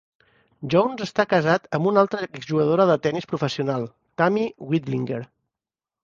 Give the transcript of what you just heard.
Jones està casat amb una altra exjugadora de tenis professional, Tami Whitlinger.